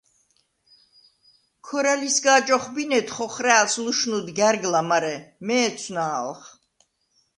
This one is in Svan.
ქორა̈ლისგა̄ჯ ოხბინედ ხოხრა̄̈ლს ლუშნუდ გა̈რგლა მარე ,მე̄ცუ̂ნა̄ლხ!